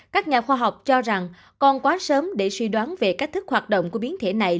các nhà khoa học cho rằng còn quá sớm để suy đoán về cách thức hoạt động của biến thể này